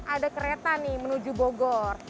enam empat puluh delapan ada kereta nih menuju bogor